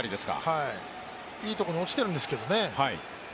いいところに落ちているんですけどね。